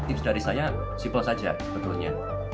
tips dari saya simple saja sebetulnya